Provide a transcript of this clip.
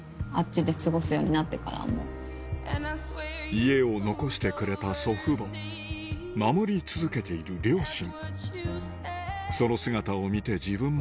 家を残してくれた祖父母守り続けている両親